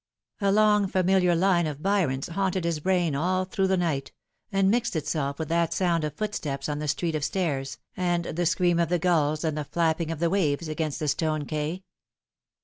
A long familiar line of Byron's haunted his brain all through the night, and mixed itself with that sound of footsteps on the street of stairs, and the scream of the gulls, and the flapping of the waves against the stone quay.